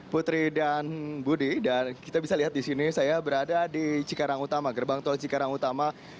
putri dan budi dan kita bisa lihat di sini saya berada di cikarang utama gerbang tol cikarang utama